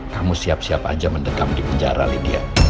kamu siap siap aja mendekam di penjara lydia